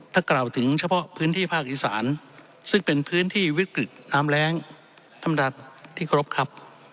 ถ้ากล่าวถึงเฉพาะพื้นที่ภาคอีสานซึ่งเป็นพื้นที่วิกฤตน้ำแรงท่านประธานที่เคารพครับ